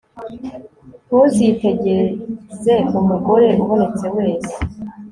ntuzitegeze umugore ubonetse wese